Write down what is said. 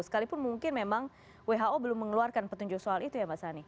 sekalipun mungkin memang who belum mengeluarkan petunjuk soal itu ya mbak sani